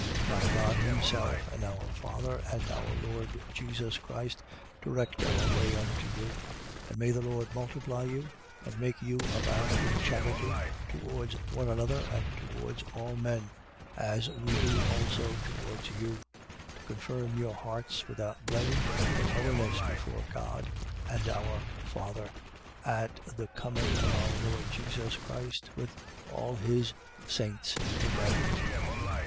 3:11. Now God himself and our Father and our Lord Jesus Christ, direct our way unto you. 3:12. And may the Lord multiply you and make you abound in charity towards one another and towards all men: as we do also towards you, 3:13. To confirm your hearts without blame, in holiness, before God and our Father, at the coming of our Lord Jesus Christ, with all his saints. Amen.